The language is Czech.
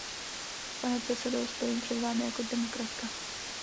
Pane předsedo, stojím před vámi jako demokratka.